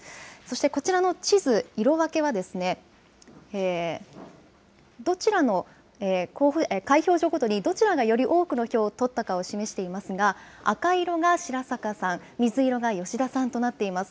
こちらの地図、色分けは開票所ごとにどちらがより多くの票を取ったかを示していますが赤色が白坂さん、水色が吉田さんとなっています。